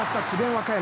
和歌山。